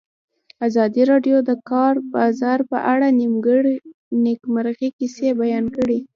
ازادي راډیو د د کار بازار په اړه د نېکمرغۍ کیسې بیان کړې.